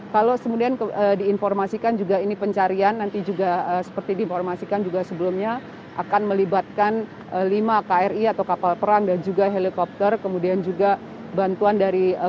kalau kemudian diinformasikan juga ini pencarian nanti juga seperti diinformasikan juga sebelumnya akan melibatkan lima kri atau kapal perang dan juga helikopter kemudian juga bantuan dari